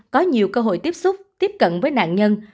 có nhiều cơ hội tiếp xúc tiếp cận với nạn nhân